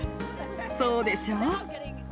そうでしょ。